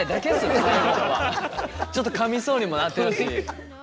ちょっとかみそうにもなってるし。